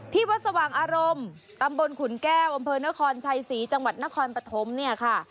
ที่วัดสว่างอารมณ์ตำบลขุนแก้วอำเภอนครชัยศรีจังหวัดนครปฐมเนี่ยค่ะ